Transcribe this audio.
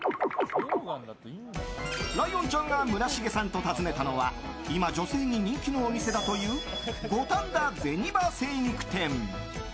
ライオンちゃんが村重さんと訪ねたのは今、女性に人気のお店だという五反田銭場精肉店。